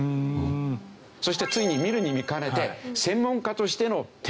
そしてついに見るに見かねて専門家としての提言を言ってます。